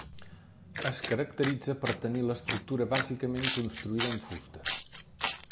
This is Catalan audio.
Es caracteritza per tenir l'estructura bàsicament construïda en fusta.